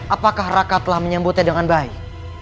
apakah raka telah menyambutnya dengan baik